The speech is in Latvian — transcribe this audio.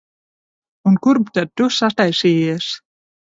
Un kurp tad tu sataisījies?